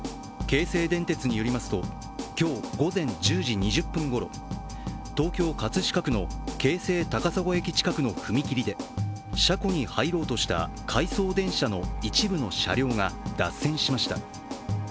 京成電鉄によりますと今日午前１０時２０分ごろ、東京・葛飾区の京成高砂駅近くの踏切で車庫に入ろうとした回送電車の一部の車両が脱線しました。